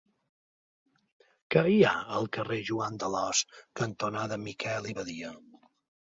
Què hi ha al carrer Joan d'Alòs cantonada Miquel i Badia?